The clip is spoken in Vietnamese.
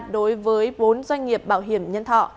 đối với vốn doanh nghiệp bảo hiểm nhân thọ